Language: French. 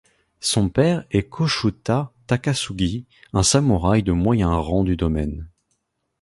Son père est Kochuta Takasugi, un samouraï de moyen rang du domaine.